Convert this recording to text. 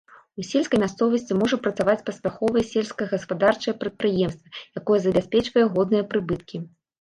У сельскай мясцовасці можа працаваць паспяховае сельскагаспадарчае прадпрыемства, якое забяспечвае годныя прыбыткі.